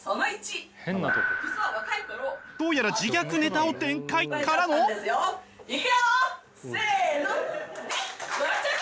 どうやら自虐ネタを展開。からの。